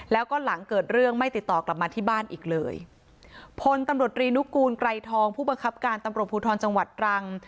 แล้วก็หลังเกิดเรื่องไม่ติดต่อกลับมาที่บ้านอีกเลยพลตำรวจรีนุกูลไกรทองผู้บังคับการตำรวจภูทรจังหวัดตรัง